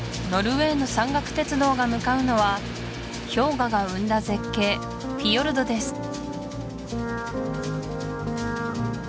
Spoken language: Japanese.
ノルウェーの山岳鉄道が向かうのは氷河が生んだ絶景フィヨルドです